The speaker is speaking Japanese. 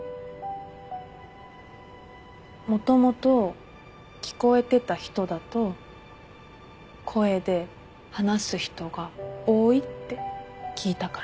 もともと聞こえてた人だと声で話す人が多いって聞いたから。